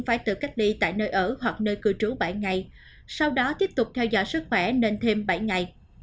phải tự cách ly tại nơi ở hoặc nơi cư trú bảy ngày sau đó tiếp tục theo dõi sức khỏe nên thêm bảy ngày